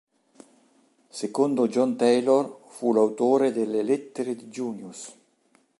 Secondo John Taylor fu l'autore delle "Lettere di Junius".